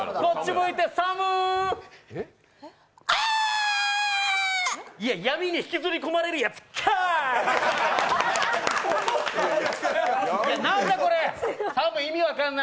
いや、闇に引き込まれるやつかい！